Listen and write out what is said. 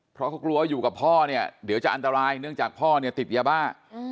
เพราะเขากลัวอยู่กับพ่อเนี่ยเดี๋ยวจะอันตรายเนื่องจากพ่อเนี่ยติดยาบ้า